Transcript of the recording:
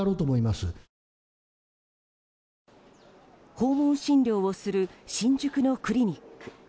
訪問資料をする新宿のクリニック。